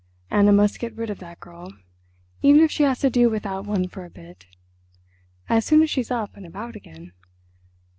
Anna must get rid of that girl—even if she has to do without one for a bit—as soon as she's up and about again.